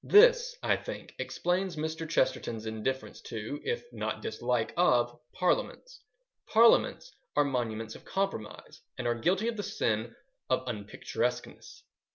This, I think, explains Mr. Chesterton's indifference to, if not dislike of, Parliaments. Parliaments are monuments of compromise, and are guilty of the sin of unpicturesqueness.